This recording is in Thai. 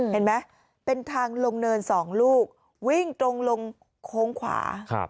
เห็นไหมเป็นทางลงเนิน๒ลูกวิ่งตรงลงโค้งขวา